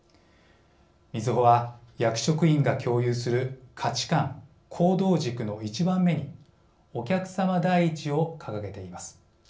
みずほは、役職員が共有する価値観、行動軸の１番目にお客さま第一を掲げています。